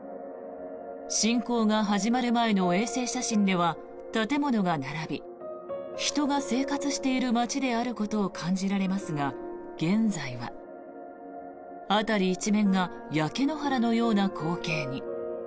侵攻が始まる前の衛星写真では建物が並び人が生活している街であることを感じられますが現在は、辺り一面が焼け野原のような光景に。